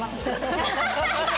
ハハハハハ！